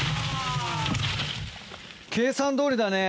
計算どおりだね。